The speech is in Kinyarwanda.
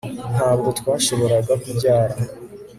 Ntabwo twashoboraga kubyara